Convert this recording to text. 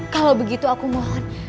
kalau begitu aku mohon